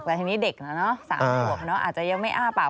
แล้วทีนี้เด็กนั้น๓ขวบอาจจะไม่อ้าปาก